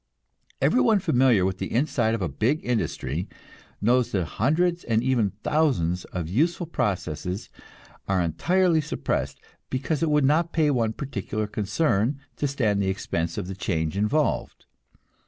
Every one familiar with the inside of a big industry knows that hundreds and even thousands of useful processes are entirely suppressed, because it would not pay one particular concern to stand the expense of the changes involved.